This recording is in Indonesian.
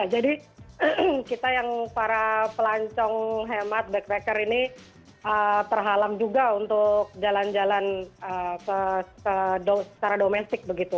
jadi kita yang para pelancong hemat backpacker ini terhalam juga untuk jalan jalan secara domestik begitu